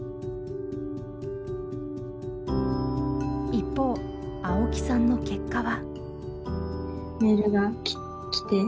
一方青木さんの結果は。